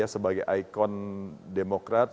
sebagai ikon demokrat